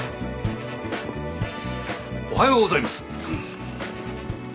おはようございます。